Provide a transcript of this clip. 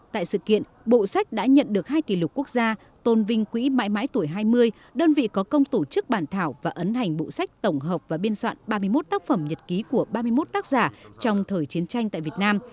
tại sự kiện bộ sách đã nhận được hai kỷ lục quốc gia tôn vinh quỹ mãi mãi tuổi hai mươi đơn vị có công tổ chức bản thảo và ấn hành bộ sách tổng hợp và biên soạn ba mươi một tác phẩm nhật ký của ba mươi một tác giả trong thời chiến tranh tại việt nam